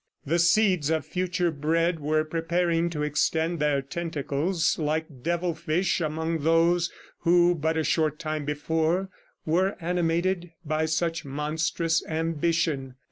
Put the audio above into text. The seeds of future bread were preparing to extend their tentacles like devil fish among those who, but a short time before, were animated by such monstrous ambition.